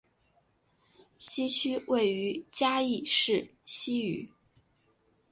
西区位于嘉义市西隅。